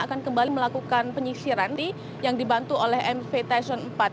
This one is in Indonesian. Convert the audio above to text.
akan kembali melakukan penyisiran yang dibantu oleh mvtation empat